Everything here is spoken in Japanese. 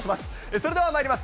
それではまいります。